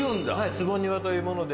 坪庭というもので。